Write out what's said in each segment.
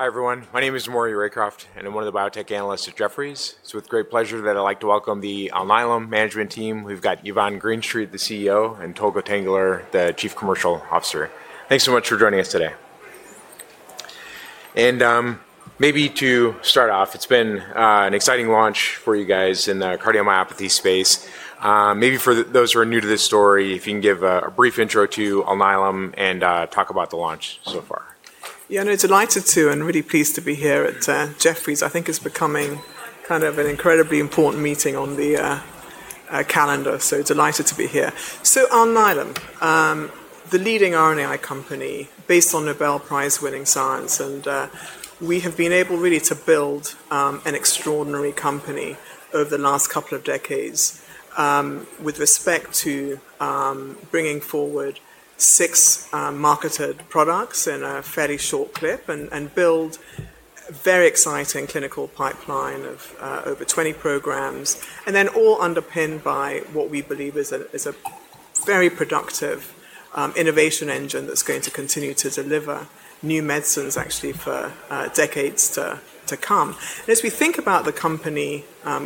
Hi, everyone. My name is Maury Raycroft, and I'm one of the biotech analysts at Jefferies. It's with great pleasure that I'd like to welcome the Alnylam management team. We've got Yvonne Greenstreet, the CEO, and Tolga Tanguler, the Chief Commercial Officer. Thanks so much for joining us today. Maybe to start off, it's been an exciting launch for you guys in the cardiomyopathy space. Maybe for those who are new to this story, if you can give a brief intro to Alnylam and talk about the launch so far. Yeah, it's delighted to, and really pleased to be here at Jefferies. I think it's becoming kind of an incredibly important meeting on the calendar, so delighted to be here. Alnylam, the leading RNAi company based on Nobel Prize-winning science, and we have been able really to build an extraordinary company over the last couple of decades with respect to bringing forward six marketed products in a fairly short clip and build a very exciting clinical pipeline of over 20 programs, all underpinned by what we believe is a very productive innovation engine that's going to continue to deliver new medicines, actually, for decades to come. As we think about the company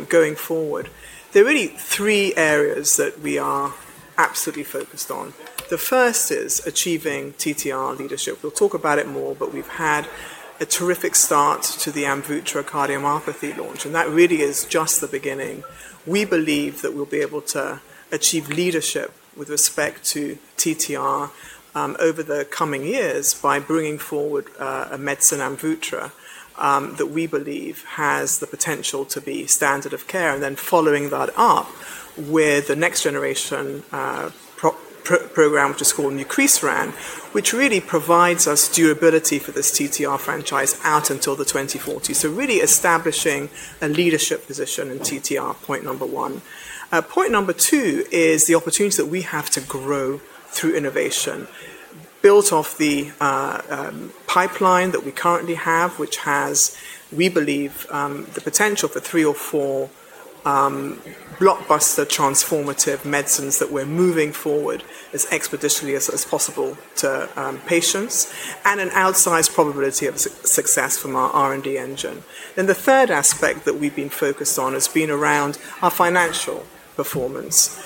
going forward, there are really three areas that we are absolutely focused on. The first is achieving TTR leadership. We'll talk about it more, but we've had a terrific start to the Amvuttra cardiomyopathy launch, and that really is just the beginning. We believe that we'll be able to achieve leadership with respect to TTR over the coming years by bringing forward a medicine, Amvuttra, that we believe has the potential to be standard of care. Following that up with the next generation program, which is called Nucresiran, which really provides us durability for this TTR franchise out until the 2040s. Really establishing a leadership position in TTR, point number one. Point number two is the opportunities that we have to grow through innovation. Built off the pipeline that we currently have, which has, we believe, the potential for three or four blockbuster transformative medicines that we're moving forward as expeditiously as possible to patients, and an outsized probability of success from our R&D engine. The third aspect that we've been focused on has been around our financial performance,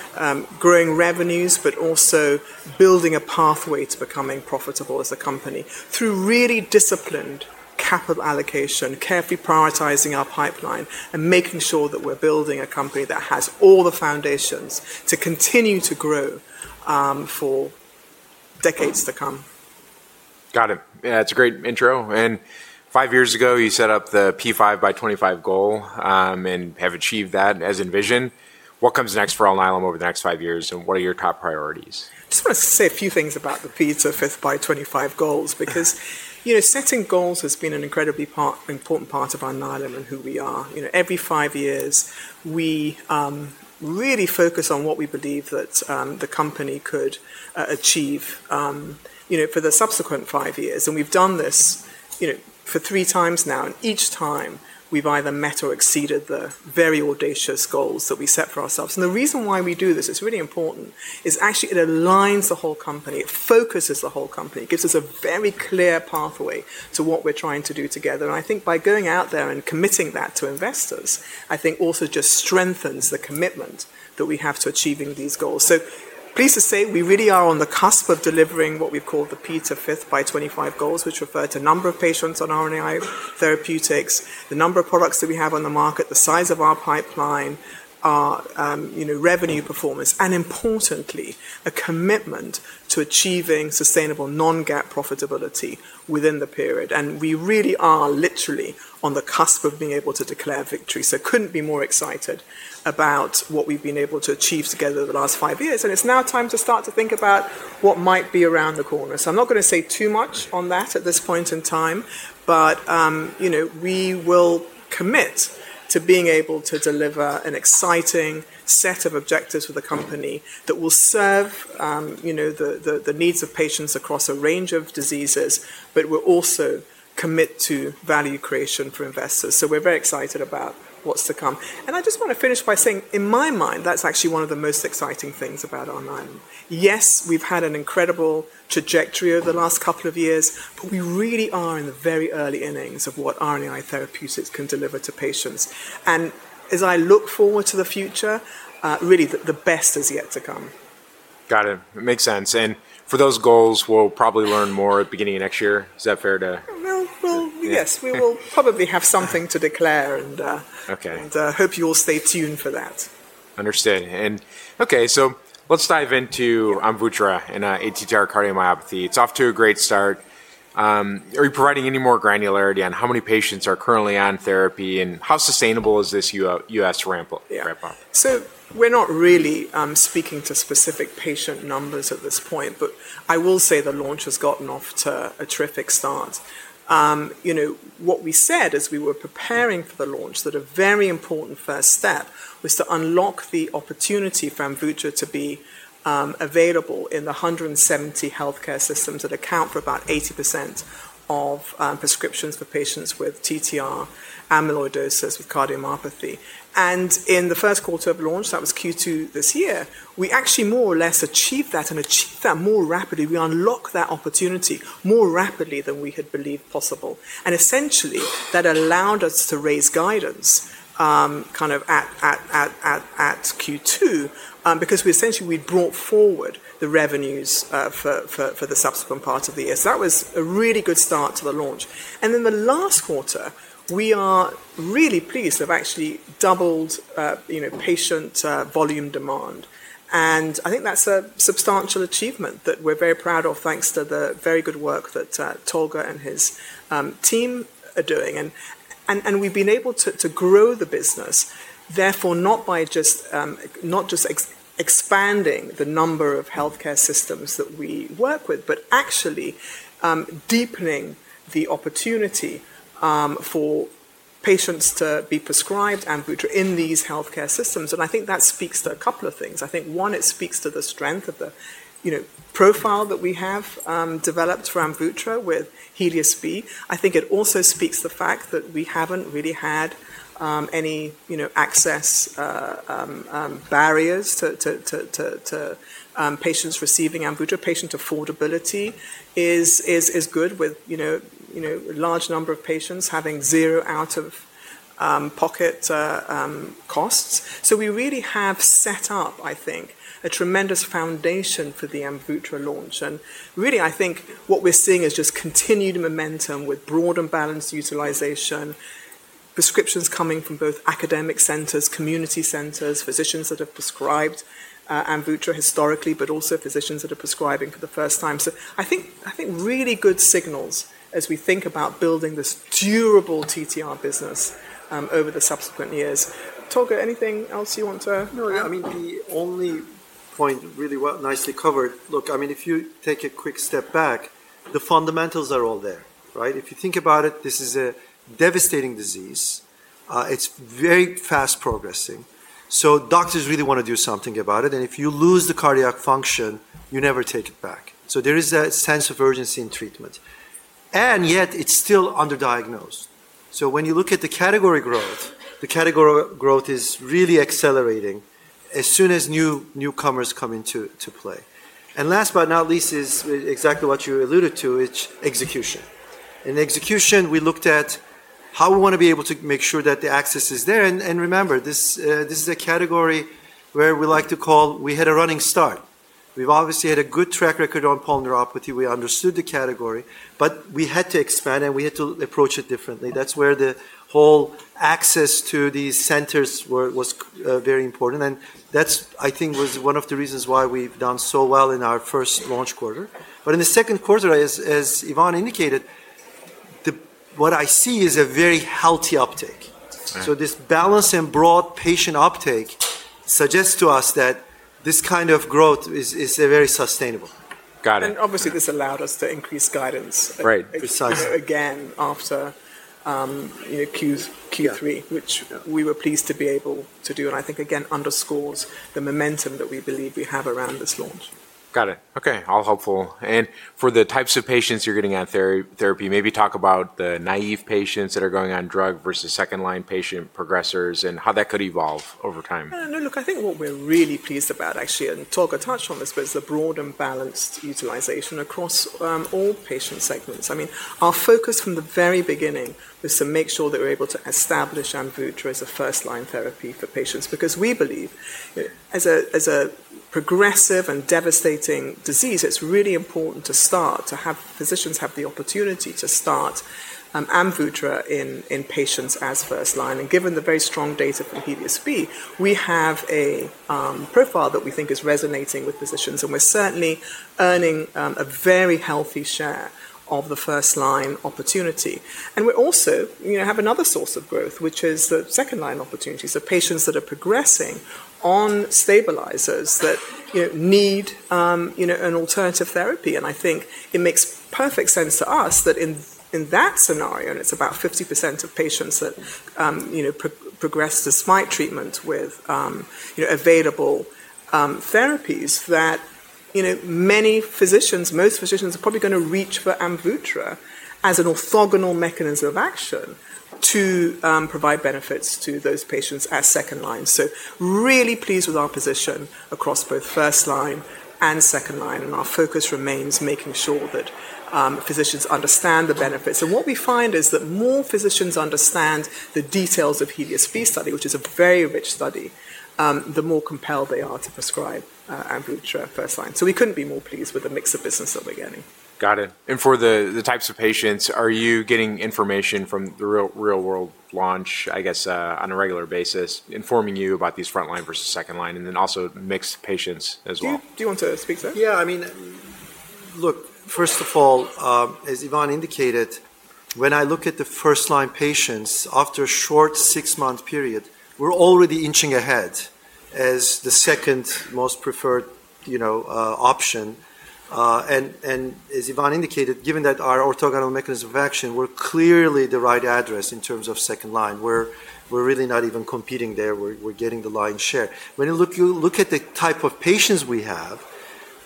growing revenues, but also building a pathway to becoming profitable as a company through really disciplined capital allocation, carefully prioritizing our pipeline, and making sure that we're building a company that has all the foundations to continue to grow for decades to come. Got it. Yeah, that's a great intro. Five years ago, you set up the P5x25 goal and have achieved that as envisioned. What comes next for Alnylam over the next five years, and what are your top priorities? I just want to say a few things about the P5x25 goals, because setting goals has been an incredibly important part of our Alnylam and who we are. Every five years, we really focus on what we believe that the company could achieve for the subsequent five years. We've done this three times now, and each time we've either met or exceeded the very audacious goals that we set for ourselves. The reason why we do this, it's really important, is actually it aligns the whole company. It focuses the whole company. It gives us a very clear pathway to what we're trying to do together. I think by going out there and committing that to investors, I think also just strengthens the commitment that we have to achieving these goals. am pleased to say we really are on the cusp of delivering what we've called the P5x25 goals, which refer to a number of patients on RNAi therapeutics, the number of products that we have on the market, the size of our pipeline, revenue performance, and importantly, a commitment to achieving sustainable non-GAAP profitability within the period. We really are literally on the cusp of being able to declare victory. I couldn't be more excited about what we've been able to achieve together the last five years. It's now time to start to think about what might be around the corner. I'm not going to say too much on that at this point in time, but we will commit to being able to deliver an exciting set of objectives for the company that will serve the needs of patients across a range of diseases, but we'll also commit to value creation for investors. We're very excited about what's to come. I just want to finish by saying, in my mind, that's actually one of the most exciting things about Alnylam. Yes, we've had an incredible trajectory over the last couple of years, but we really are in the very early innings of what RNAi therapeutics can deliver to patients. As I look forward to the future, really the best is yet to come. Got it. Makes sense. For those goals, we'll probably learn more at the beginning of next year. Is that fair to? Yes, we will probably have something to declare, and hope you all stay tuned for that. Understood. Okay, let's dive into Amvuttra and ATTR cardiomyopathy. It's off to a great start. Are you providing any more granularity on how many patients are currently on therapy, and how sustainable is this U.S. ramp-up? Yeah. We're not really speaking to specific patient numbers at this point, but I will say the launch has gotten off to a terrific start. What we said as we were preparing for the launch is that a very important first step was to unlock the opportunity for Amvuttra to be available in the 170 healthcare systems that account for about 80% of prescriptions for patients with TTR amyloidosis with cardiomyopathy. In the first quarter of launch, that was Q2 this year, we actually more or less achieved that, and achieved that more rapidly. We unlocked that opportunity more rapidly than we had believed possible. Essentially, that allowed us to raise guidance at Q2, because we brought forward the revenues for the subsequent part of the year. That was a really good start to the launch. The last quarter, we are really pleased to have actually doubled patient volume demand. I think that's a substantial achievement that we're very proud of, thanks to the very good work that Tolga and his team are doing. We've been able to grow the business, therefore not just expanding the number of healthcare systems that we work with, but actually deepening the opportunity for patients to be prescribed Amvuttra in these healthcare systems. I think that speaks to a couple of things. I think one, it speaks to the strength of the profile that we have developed for Amvuttra with HELIOS-B. I think it also speaks to the fact that we haven't really had any access barriers to patients receiving Amvuttra. Patient affordability is good, with a large number of patients having zero out-of-pocket costs. We really have set up, I think, a tremendous foundation for the Amvuttra launch. I think what we're seeing is just continued momentum with broad and balanced utilization, prescriptions coming from both academic centers, community centers, physicians that have prescribed Amvuttra historically, but also physicians that are prescribing for the first time. I think really good signals as we think about building this durable TTR business over the subsequent years. Tolga, anything else you want to? No, I mean, the only point really well nicely covered. Look, I mean, if you take a quick step back, the fundamentals are all there, right? If you think about it, this is a devastating disease. It's very fast progressing. Doctors really want to do something about it. If you lose the cardiac function, you never take it back. There is a sense of urgency in treatment. Yet, it's still underdiagnosed. When you look at the category growth, the category growth is really accelerating as soon as newcomers come into play. Last but not least is exactly what you alluded to, which is execution. In execution, we looked at how we want to be able to make sure that the access is there. Remember, this is a category where we like to call we had a running start. We've obviously had a good track record on polyneuropathy. We understood the category, but we had to expand and we had to approach it differently. That is where the whole access to these centers was very important. That, I think, was one of the reasons why we've done so well in our first launch quarter. In the second quarter, as Yvonne indicated, what I see is a very healthy uptake. This balance and broad patient uptake suggests to us that this kind of growth is very sustainable. Got it. Obviously, this allowed us to increase guidance. Right, precisely. Again, after Q3, which we were pleased to be able to do. I think, again, underscores the momentum that we believe we have around this launch. Got it. Okay, all hopeful. For the types of patients you're getting on therapy, maybe talk about the naive patients that are going on drug versus second-line patient progressors and how that could evolve over time. Look, I think what we're really pleased about, actually, and Tolga touched on this, but it's the broad and balanced utilization across all patient segments. I mean, our focus from the very beginning was to make sure that we're able to establish Amvuttra as a first-line therapy for patients, because we believe as a progressive and devastating disease, it's really important to start, to have physicians have the opportunity to start Amvuttra in patients as first-line. Given the very strong data from HELIOS-B, we have a profile that we think is resonating with physicians, and we're certainly earning a very healthy share of the first-line opportunity. We also have another source of growth, which is the second-line opportunities of patients that are progressing on stabilizers that need an alternative therapy. I think it makes perfect sense to us that in that scenario, and it's about 50% of patients that progress despite treatment with available therapies, that many physicians, most physicians are probably going to reach for Amvuttra as an orthogonal mechanism of action to provide benefits to those patients as second-line. Really pleased with our position across both first-line and second-line. Our focus remains making sure that physicians understand the benefits. What we find is that more physicians understand the details of HELIOS-B study, which is a very rich study, the more compelled they are to prescribe Amvuttra first-line. We couldn't be more pleased with the mix of business that we're getting. Got it. For the types of patients, are you getting information from the real-world launch, I guess, on a regular basis, informing you about these front-line versus second-line, and then also mixed patients as well? Do you want to speak to that? Yeah, I mean, look, first of all, as Yvonne indicated, when I look at the first-line patients, after a short six-month period, we're already inching ahead as the second most preferred option. As Yvonne indicated, given that our orthogonal mechanism of action, we're clearly the right address in terms of second-line, we're really not even competing there. We're getting the lion's share. When you look at the type of patients we have,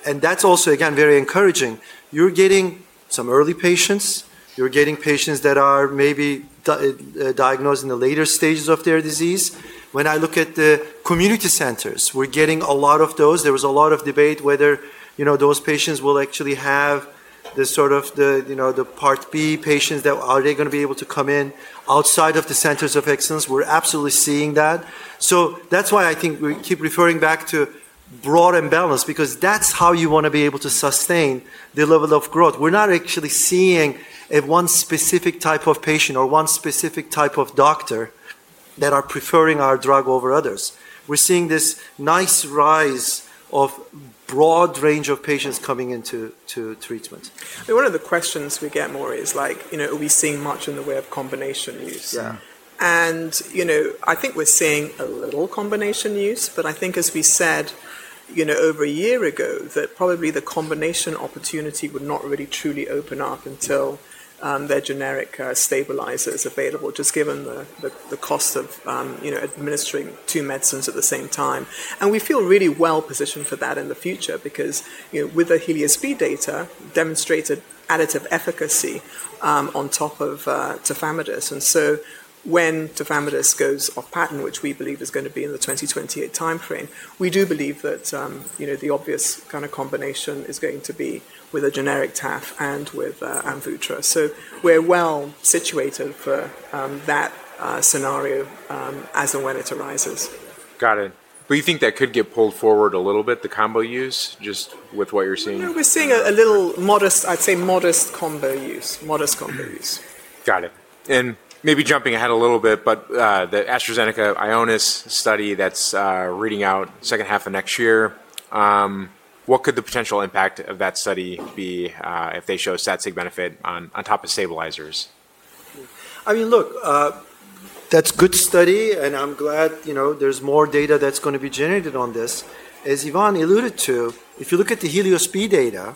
and that's also, again, very encouraging, you're getting some early patients. You're getting patients that are maybe diagnosed in the later stages of their disease. When I look at the community centers, we're getting a lot of those. There was a lot of debate whether those patients will actually have the sort of the Part B patients. Are they going to be able to come in outside of the centers of excellence? We're absolutely seeing that. That is why I think we keep referring back to broad and balanced, because that is how you want to be able to sustain the level of growth. We are not actually seeing one specific type of patient or one specific type of doctor that are preferring our drug over others. We are seeing this nice rise of a broad range of patients coming into treatment. One of the questions we get more is like, are we seeing much in the way of combination use? Yeah. I think we're seeing a little combination use, but I think, as we said over a year ago, that probably the combination opportunity would not really truly open up until there are generic stabilizers available, just given the cost of administering two medicines at the same time. We feel really well positioned for that in the future, because with the HELIOS-B data demonstrated additive efficacy on top of tafamidis. When tafamidis goes off patent, which we believe is going to be in the 2028 timeframe, we do believe that the obvious kind of combination is going to be with a generic taf and with Amvuttra. We're well situated for that scenario as and when it arises. Got it. You think that could get pulled forward a little bit, the combo use, just with what you're seeing? We're seeing a little modest, I'd say modest combo use, modest combo use. Got it. Maybe jumping ahead a little bit, but the AstraZeneca-Ionis study that's reading out second half of next year, what could the potential impact of that study be if they show static benefit on top of stabilizers? I mean, look, that's a good study, and I'm glad there's more data that's going to be generated on this. As Yvonne alluded to, if you look at the HELIOS-B data,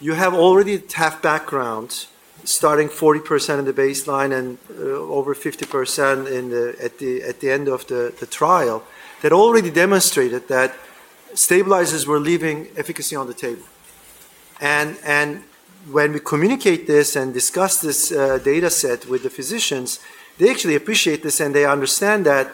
you have already tafamidis background starting 40% in the baseline and over 50% at the end of the trial that already demonstrated that stabilizers were leaving efficacy on the table. When we communicate this and discuss this data set with the physicians, they actually appreciate this and they understand that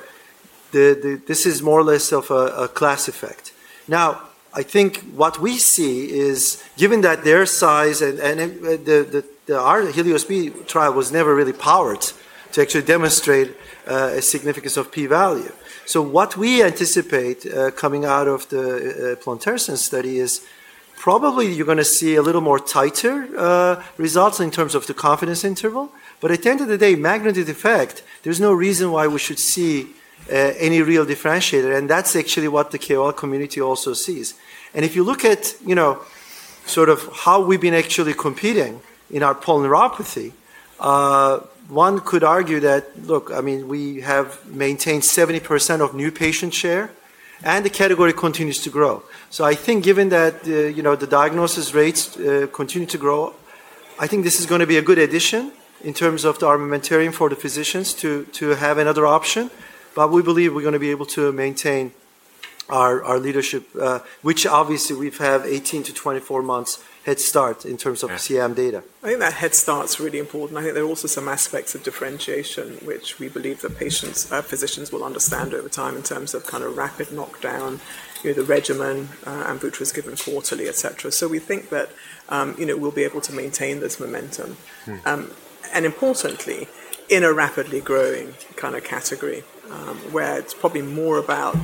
this is more or less of a class effect. Now, I think what we see is, given their size and the HELIOS-B trial was never really powered to actually demonstrate a significance of p-value. What we anticipate coming out of the Plantarson study is probably you're going to see a little more tighter results in terms of the confidence interval. At the end of the day, magnetic effect, there's no reason why we should see any real differentiator. That's actually what the KOL community also sees. If you look at sort of how we've been actually competing in our polyneuropathy, one could argue that, look, I mean, we have maintained 70% of new patient share, and the category continues to grow. I think given that the diagnosis rates continue to grow, I think this is going to be a good addition in terms of the armamentarium for the physicians to have another option. We believe we're going to be able to maintain our leadership, which obviously we have 18-24 months head start in terms of CM data. I think that head start's really important. I think there are also some aspects of differentiation, which we believe that patients, physicians will understand over time in terms of kind of rapid knockdown, the regimen, Amvuttra is given quarterly, et cetera. We think that we'll be able to maintain this momentum. Importantly, in a rapidly growing kind of category where it's probably more about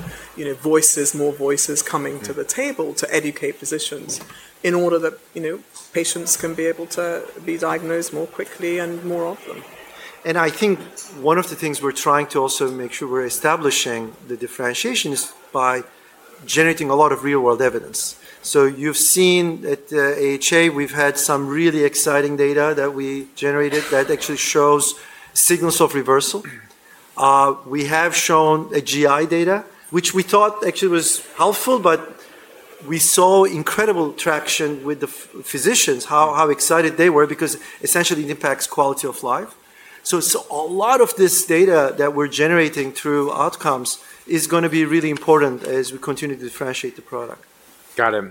voices, more voices coming to the table to educate physicians in order that patients can be able to be diagnosed more quickly and more often. I think one of the things we're trying to also make sure we're establishing the differentiation is by generating a lot of real-world evidence. You have seen at the AHA, we have had some really exciting data that we generated that actually shows signals of reversal. We have shown GI data, which we thought actually was helpful, but we saw incredible traction with the physicians, how excited they were, because essentially it impacts quality of life. A lot of this data that we're generating through outcomes is going to be really important as we continue to differentiate the product. Got it.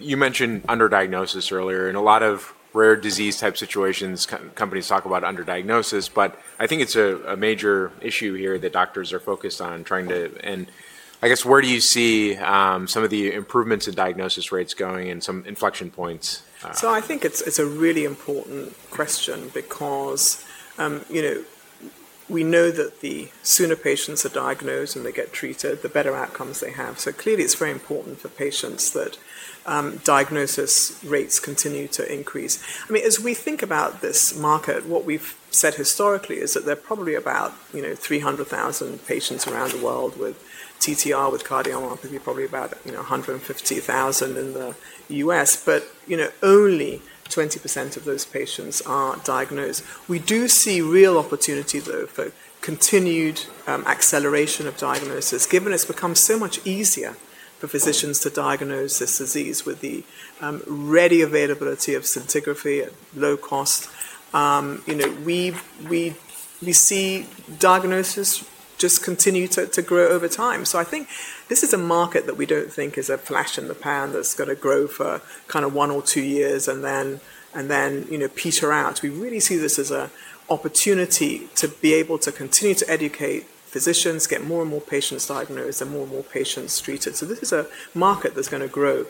You mentioned underdiagnosis earlier. In a lot of rare disease type situations, companies talk about underdiagnosis, but I think it's a major issue here that doctors are focused on trying to, and I guess where do you see some of the improvements in diagnosis rates going and some inflection points? I think it's a really important question because we know that the sooner patients are diagnosed and they get treated, the better outcomes they have. Clearly, it's very important for patients that diagnosis rates continue to increase. I mean, as we think about this market, what we've said historically is that there are probably about 300,000 patients around the world with TTR with cardiomyopathy, probably about 150,000 in the U.S., but only 20% of those patients are diagnosed. We do see real opportunity, though, for continued acceleration of diagnosis, given it's become so much easier for physicians to diagnose this disease with the ready availability of scintigraphy at low cost. We see diagnosis just continue to grow over time. I think this is a market that we don't think is a flash in the pan that's going to grow for kind of one or two years and then peter out. We really see this as an opportunity to be able to continue to educate physicians, get more and more patients diagnosed, and more and more patients treated. This is a market that's going to grow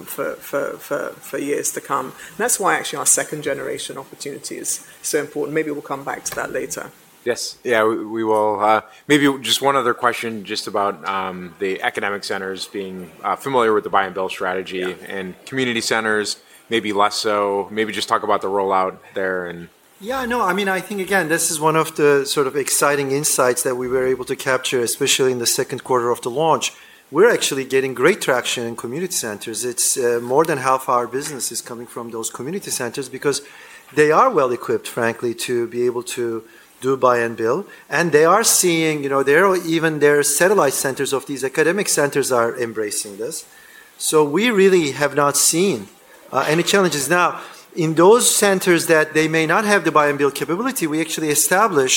for years to come. That's why actually our second-generation opportunity is so important. Maybe we'll come back to that later. Yes. Yeah, we will. Maybe just one other question just about the academic centers being familiar with the buy and build strategy and community centers, maybe less so, maybe just talk about the rollout there. Yeah, no, I mean, I think, again, this is one of the sort of exciting insights that we were able to capture, especially in the second quarter of the launch. We're actually getting great traction in community centers. It's more than half our business is coming from those community centers because they are well equipped, frankly, to be able to do buy and build. They are seeing even their satellite centers of these academic centers are embracing this. We really have not seen any challenges. Now, in those centers that may not have the buy and build capability, we actually establish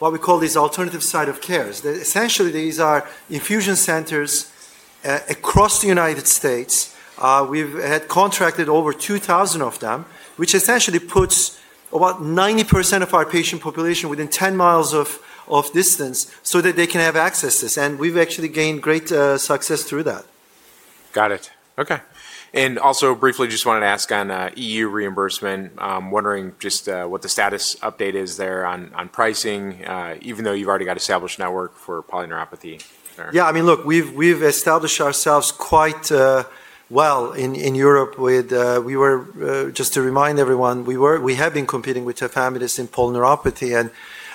what we call these alternative site of care. Essentially, these are infusion centers across the United States. We've had contracted over 2,000 of them, which essentially puts about 90% of our patient population within 10 miles of distance so that they can have access to this. We've actually gained great success through that. Got it. Okay. Also, just wanted to ask on EU reimbursement, wondering just what the status update is there on pricing, even though you've already got established network for polyneuropathy. Yeah, I mean, look, we've established ourselves quite well in Europe with, we were, just to remind everyone, we have been competing with tafamidis in polyneuropathy,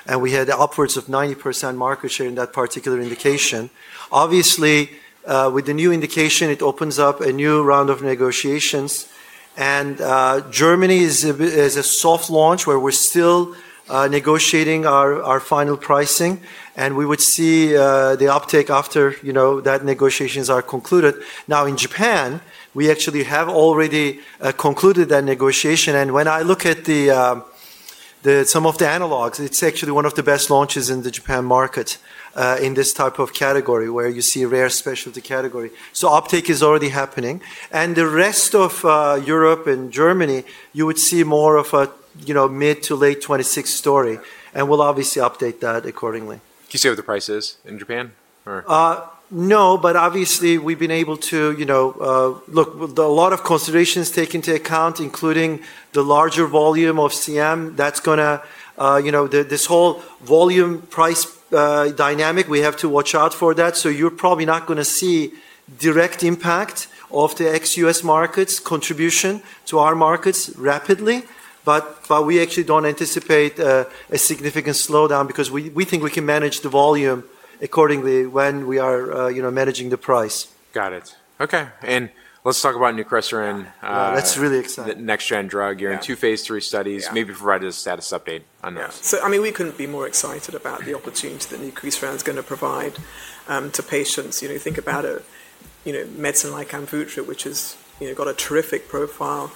and we had upwards of 90% market share in that particular indication. Obviously, with the new indication, it opens up a new round of negotiations. Germany is a soft launch where we're still negotiating our final pricing, and we would see the uptake after those negotiations are concluded. Now, in Japan, we actually have already concluded that negotiation. When I look at some of the analogs, it's actually one of the best launches in the Japan market in this type of category where you see rare specialty category. Uptake is already happening. The rest of Europe and Germany, you would see more of a mid to late 2026 story. We'll obviously update that accordingly. Can you say what the price is in Japan? No, but obviously, we've been able to, look, a lot of considerations taken into account, including the larger volume of CM that's going to, this whole volume price dynamic, we have to watch out for that. You are probably not going to see direct impact of the ex-U.S. markets contribution to our markets rapidly, but we actually do not anticipate a significant slowdown because we think we can manage the volume accordingly when we are managing the price. Got it. Okay. And let's talk about Nucresiran. That's really exciting. Next-gen drug. You're in two phase III studies. Maybe provide us a status update on those. Yeah. I mean, we couldn't be more excited about the opportunity that Nucresiran is going to provide to patients. Think about a medicine like Amvuttra, which has got a terrific profile.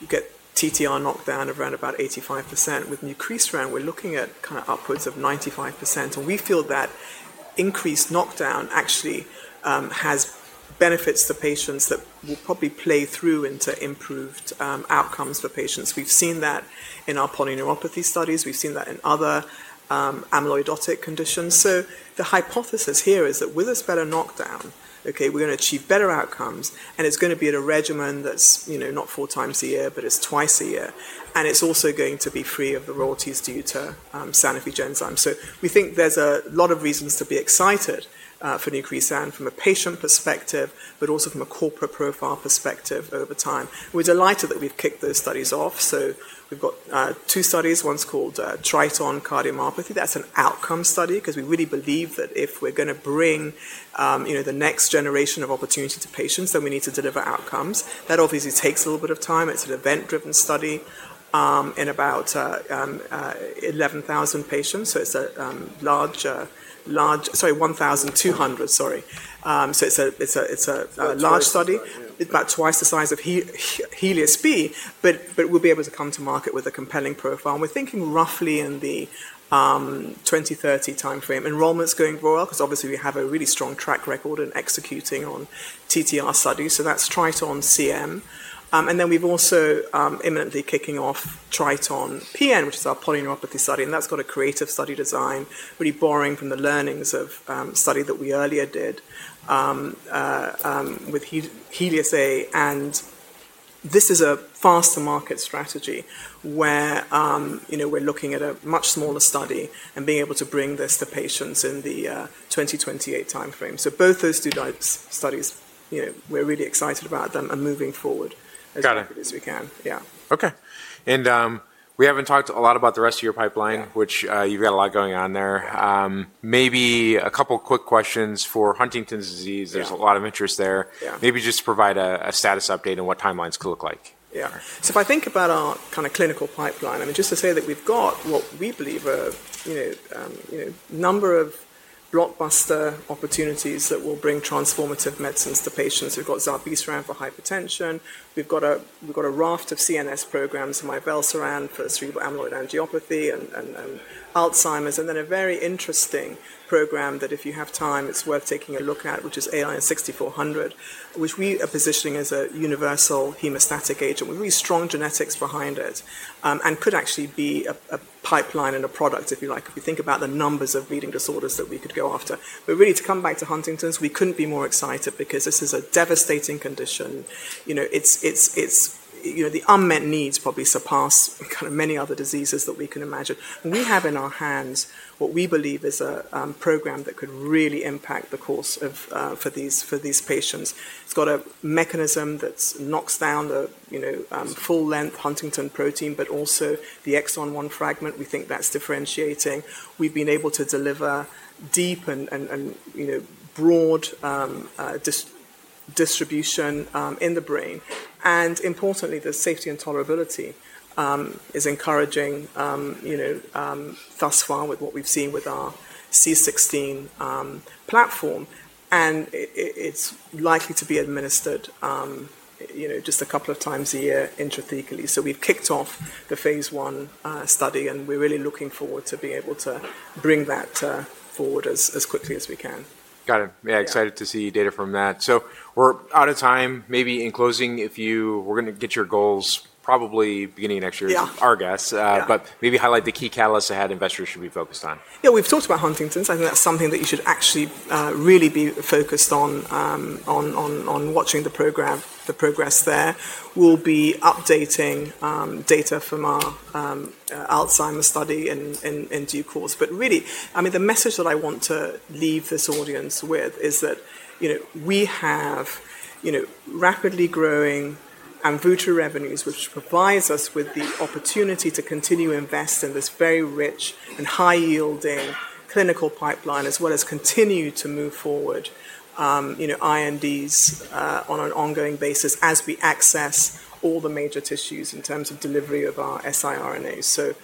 You get TTR knockdown of around about 85%. With Nucresiran, we're looking at kind of upwards of 95%. We feel that increased knockdown actually has benefits to patients that will probably play through into improved outcomes for patients. We've seen that in our polyneuropathy studies. We've seen that in other amyloidotic conditions. The hypothesis here is that with this better knockdown, okay, we're going to achieve better outcomes, and it's going to be at a regimen that's not four times a year, but it's twice a year. It's also going to be free of the royalties due to Sanofi Genzyme. We think there's a lot of reasons to be excited for Nucresiran from a patient perspective, but also from a corporate profile perspective over time. We're delighted that we've kicked those studies off. We've got two studies. One's called Triton Cardiomyopathy. That's an outcome study because we really believe that if we're going to bring the next generation of opportunity to patients, then we need to deliver outcomes. That obviously takes a little bit of time. It's an event-driven study in about 1,100 patients. Sorry, 1,200, sorry. It's a large study. It's about twice the size of HELIOS-B, but we'll be able to come to market with a compelling profile. We're thinking roughly in the 2030 timeframe. Enrollment's going viral because obviously we have a really strong track record in executing on TTR studies. That's Triton CM. We've also imminently kicking off Triton PN, which is our polyneuropathy study. That's got a creative study design, really borrowing from the learnings of study that we earlier did with HELIOS-A. This is a faster market strategy where we're looking at a much smaller study and being able to bring this to patients in the 2028 timeframe. Both those two types of studies, we're really excited about them and moving forward as quickly as we can. Yeah. Okay. We have not talked a lot about the rest of your pipeline, which you have a lot going on there. Maybe a couple of quick questions for Huntington's disease. There is a lot of interest there. Maybe just provide a status update and what timelines could look like. Yeah. If I think about our kind of clinical pipeline, I mean, just to say that we've got what we believe are a number of blockbuster opportunities that will bring transformative medicines to patients. We've got zilebesiran for hypertension. We've got a raft of CNS programs and mivelsiran for cerebral amyloid angiopathy and Alzheimer's. A very interesting program that, if you have time, it's worth taking a look at, is ALN-6400, which we are positioning as a universal hemostatic agent. We have really strong genetics behind it and could actually be a pipeline and a product, if you like, if you think about the numbers of bleeding disorders that we could go after. Really, to come back to Huntington's, we couldn't be more excited because this is a devastating condition. The unmet needs probably surpass kind of many other diseases that we can imagine. We have in our hands what we believe is a program that could really impact the course for these patients. It has got a mechanism that knocks down the full-length Huntington protein, but also the exon one fragment. We think that is differentiating. We have been able to deliver deep and broad distribution in the brain. Importantly, the safety and tolerability is encouraging thus far with what we have seen with our C16 platform. It is likely to be administered just a couple of times a year intrathecally. We have kicked off the phase one study, and we are really looking forward to being able to bring that forward as quickly as we can. Got it. Yeah, excited to see data from that. We're out of time. Maybe in closing, if you were going to get your goals probably beginning next year, our guess, but maybe highlight the key catalysts ahead investors should be focused on. Yeah, we've talked about Huntington's. I think that's something that you should actually really be focused on watching the progress there. We'll be updating data from our Alzheimer's study in due course. I mean, the message that I want to leave this audience with is that we have rapidly growing Amvuttra revenues, which provides us with the opportunity to continue to invest in this very rich and high-yielding clinical pipeline, as well as continue to move forward INDs on an ongoing basis as we access all the major tissues in terms of delivery of our siRNA.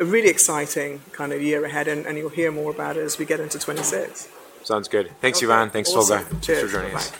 A really exciting kind of year ahead, and you'll hear more about it as we get into 2026. Sounds good. Thanks, Yvonne. Thanks, Tolga. Thanks for joining us.